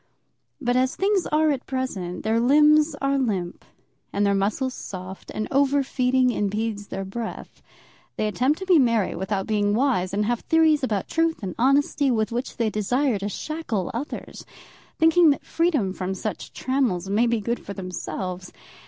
But as things are at present, their limbs are limp and their muscles soft, and over feeding impedes their breath. They attempt to be merry without being wise, and have theories about truth and honesty with which they desire to shackle others, thinking that freedom from such trammels may be good for themselves.